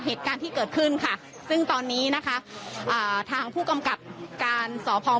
เหตุการณ์ที่เกิดขึ้นค่ะซึ่งตอนนี้นะคะอ่าทางผู้กำกับการสพ